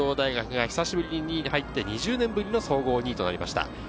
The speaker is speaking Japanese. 久しぶりに２位入って２０年ぶりの総合２位となりました。